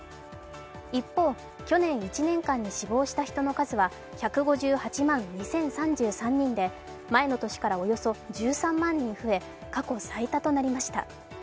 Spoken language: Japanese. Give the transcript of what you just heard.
一方、去年１年間に死亡した人の数は１５８万２０３３人で前の年からおよそ１３万人増え過去最多となりました。